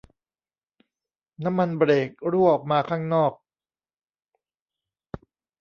น้ำมันเบรกรั่วออกมาข้างนอก